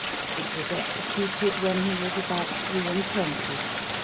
It was executed when he was about three and twenty.